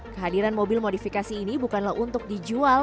kehadiran mobil modifikasi ini bukanlah untuk dijual